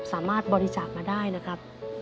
สามารถบริจาคมาได้นะครับ